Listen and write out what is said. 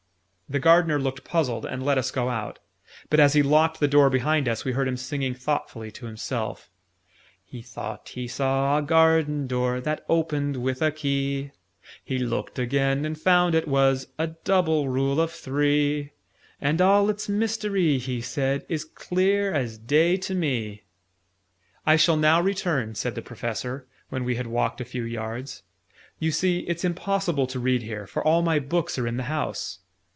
The Gardener looked puzzled, and let us go out; but, as he locked the door behind us, we heard him singing thoughtfully to himself, "He thought he saw a Garden Door That opened with a key: He looked again, and found it was A Double Rule of Three: 'And all its mystery,' he said, 'Is clear as day to me!'" "I shall now return," said the Professor, when we had walked a few yards: "you see, it's impossible to read here, for all my books are in the house."